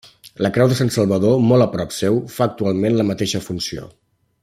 La creu de Sant Salvador, molt a prop seu, fa actualment la mateixa funció.